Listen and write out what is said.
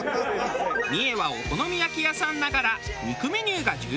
三枝はお好み焼き屋さんながら肉メニューが充実。